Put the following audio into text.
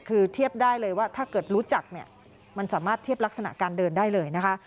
คือเทียบได้เลยว่าถ้าเกิดรู้จักเนี่ยมันสามารถเทียบลักษณะการเดินได้เลยนะคะ